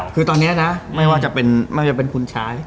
คือตอนนี้นะไม่ว่าจะเป็นคุณชาย